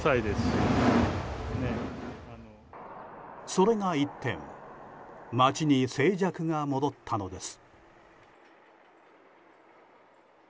それが一転街に静寂が戻ったのです。